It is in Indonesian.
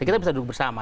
kita bisa duduk bersama